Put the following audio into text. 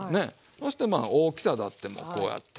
そして大きさであってもこうやって。